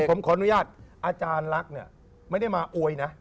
ผมขออนุญาตอาจารย์ลักษณ์เนี่ยไม่ได้มาอวยนะ